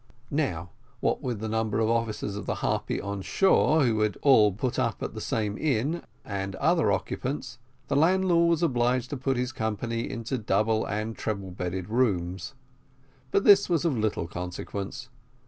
Now, what with the number of officers of the Harpy on shore, who had all put up at the same inn, and other occupants, the landlord was obliged to put his company into double and treble bedded rooms; but this was of little consequence.